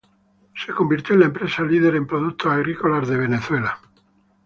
Se convirtió en la empresa líder en productos agrícolas en Venezuela.